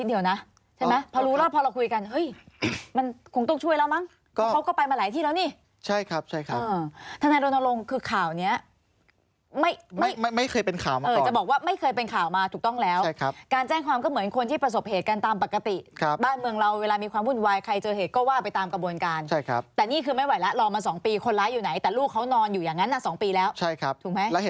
ธนาโดนโรงคือข่าวนี้ไม่เคยเป็นข่าวมาก่อนจะบอกว่าไม่เคยเป็นข่าวมาถูกต้องแล้วใช่ครับการแจ้งความก็เหมือนคนที่ประสบเหตุกันตามปกติครับบ้านเมืองเราเวลามีความบุญวายใครเจอเหตุก็ว่าไปตามกระบวนการใช่ครับแต่นี่คือไม่ไหวแล้วรอมาสองปีคนร้ายอยู่ไหนแต่ลูกเขานอนอยู่อย่างนั้นนานสองปีแล้วใช่ครับถูกไหมแล้วเห